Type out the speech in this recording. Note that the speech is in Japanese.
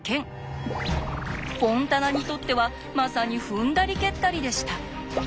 フォンタナにとってはまさに踏んだり蹴ったりでした。